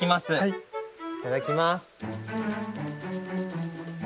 いただきます。